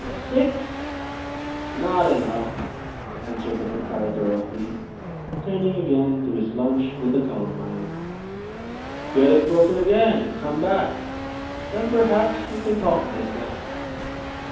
"Six." "Not enough," answered the proprietor, roughly, turning again to his lunch with the Columbine. "Get it broken again and come back; then perhaps we can talk business."